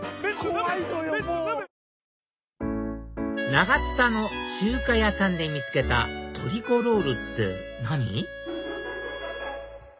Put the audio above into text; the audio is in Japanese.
長津田の中華屋さんで見つけたとりこロールって何？